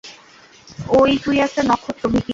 ওই তুই একটা নক্ষত্র, ভিকি!